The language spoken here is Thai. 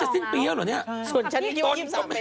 จังหว่าภาพดี้ดีไง